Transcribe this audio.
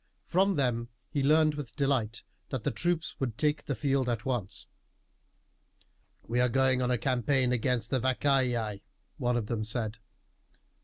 From them he learned with delight that the troops would take the field at once. "We are going on a campaign against the Vacaei," one of them said.